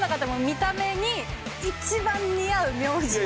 見た目に一番似合う名字を。